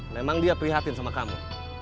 memang dia prihatin sama kamu